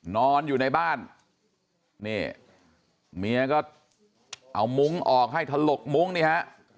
นอนอยู่ในบ้านนี่เมียก็เอามุ้งออกให้ถลกมุ้งนี่ฮะ